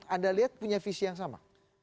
anda lihat punya visi yang sama